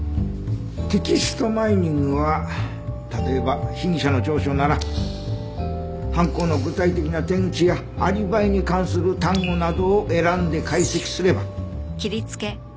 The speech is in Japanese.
テキストマイニングは例えば被疑者の調書なら犯行の具体的な手口やアリバイに関する単語などを選んで解析すれば。